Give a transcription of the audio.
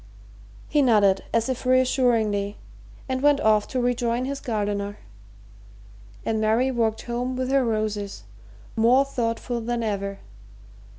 He nodded as if reassuringly and went off to rejoin his gardener, and Mary walked home with her roses, more thoughtful than ever.